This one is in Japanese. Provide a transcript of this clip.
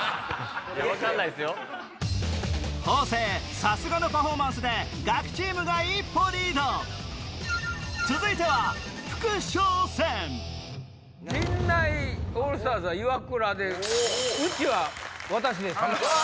方正さすがのパフォーマンスでガキチームが一歩リード続いては副将戦陣内オールスターズはイワクラでうちは私です。